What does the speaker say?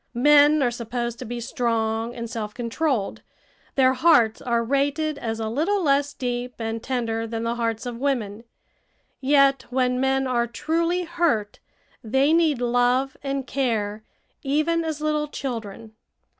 Men are supposed to be strong and self controlled; their hearts are rated as a little less deep and tender than the hearts of women; yet when men are truly hurt they need love and care even as little children.